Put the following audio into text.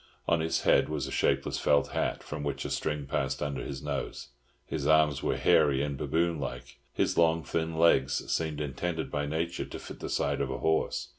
On his head was a shapeless felt hat, from which a string passed under his nose. His arms were hairy and baboon like; his long thin legs seemed intended by Nature to fit the sides of a horse.